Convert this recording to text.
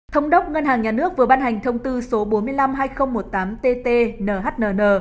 thống đốc ngân hàng nhà nước vừa ban hành thông tư số bốn mươi năm hai nghìn một mươi tám tt nhnn